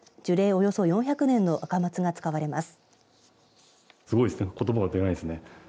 およそ４００年のアカマツが使われます。